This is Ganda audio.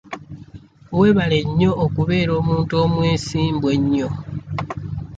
Weebale nnyo okubeera omuntu omwesimbu ennyo.